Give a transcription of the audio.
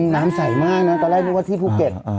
น้ำใสมากนะตอนแรกนึกว่าที่ภูเก็ต